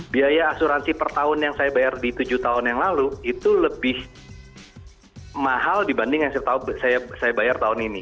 biaya asuransi per tahun yang saya bayar di tujuh tahun yang lalu itu lebih mahal dibanding yang saya bayar tahun ini